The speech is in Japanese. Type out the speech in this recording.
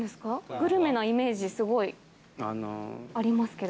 グルメなイメージ、すごいありますけど。